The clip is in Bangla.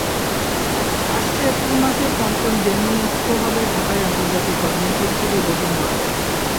আসছে এপ্রিল মাসে পঞ্চম ডেনিম এক্সপো হবে ঢাকায় আন্তর্জাতিক কনভেনশন সিটি বসুন্ধরায়।